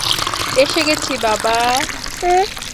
এসে গেছি বাবা।